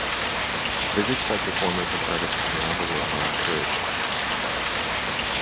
Visits by performers and artists from around the world are encouraged.